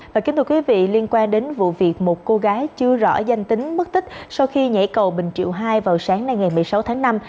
và kính thưa quý vị liên quan đến vụ việc một cô gái chưa rõ danh tính mất tích sau khi nhảy cầu bình triệu hai vào sáng nay ngày một mươi sáu tháng năm